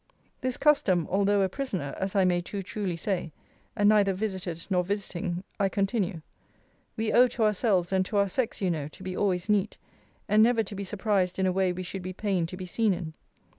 This custom, although a prisoner, (as I may too truly say,) and neither visited nor visiting, I continue. We owe to ourselves, and to our sex, you know, to be always neat; and never to be surprised in a way we should be pained to be seen in.